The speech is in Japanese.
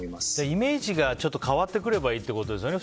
イメージが変わってくればいいということですよね。